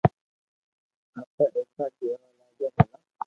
ايتا پيئا ڪيو لاو ڀلا